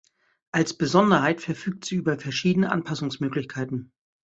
Als Besonderheit verfügt sie über verschiedene Anpassungsmöglichkeiten.